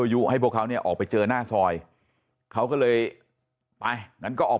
ยุให้พวกเขาเนี่ยออกไปเจอหน้าซอยเขาก็เลยไปงั้นก็ออก